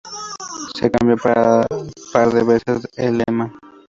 Se cambió un par de veces el Lema.